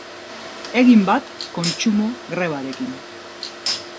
Egin bat kontsumo grebarekin.